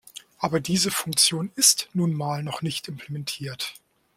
Aber diese Funktion ist nun mal noch nicht implementiert.